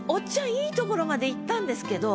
いいところまでいったんですけど